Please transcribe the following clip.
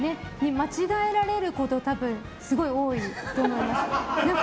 間違えられることがすごい多いと思います。